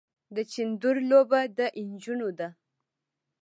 د چيندرو لوبه د نجونو ده.